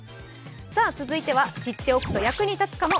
続いては知っておくと役に立つかも。